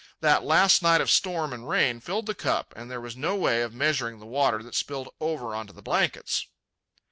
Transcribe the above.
That last night of storm and rain filled the cup, and there was no way of measuring the water that spilled over into the blankets.